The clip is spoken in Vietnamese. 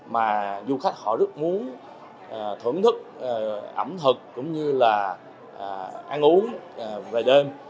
mà du khách họ rất muốn thưởng thức ẩm thực cũng như là ăn uống về đêm